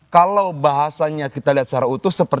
kalau bahasanya kita lihat secara utuh